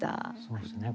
そうですね。